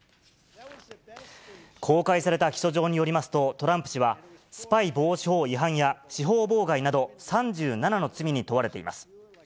公開された起訴状によりますと、トランプ氏は、スパイ防止法違反や司法妨害など３７の罪に問われています。